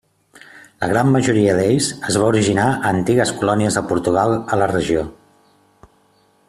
La gran majoria d'ells es va originar a antigues colònies de Portugal a la regió.